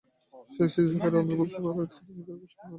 সে সিজদাকারীদের অন্তর্ভুক্ত হতে অস্বীকার করল।